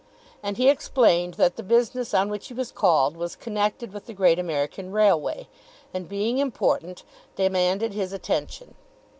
And he explained that the business on which he was called was connected with the great American railway, and, being important, demanded his attention.